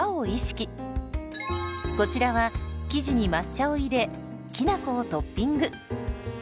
こちらは生地に抹茶を入れきなこをトッピング。